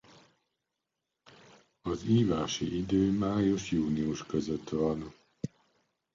Az ívási idő május–június között van.